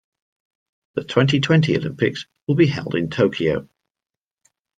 The twenty-twenty Olympics will be held in Tokyo.